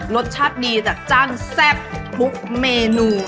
รสชาติดีจัดจ้านแซ่บทุกเมนู